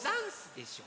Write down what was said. でしょ。